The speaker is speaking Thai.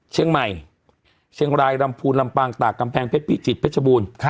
เชียงใหม่เชียงรายลำพูนลำปางตากกำแพงเพชรพิจิตรเพชรบูรณ์